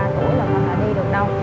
ba tuổi là con lại đi được đâu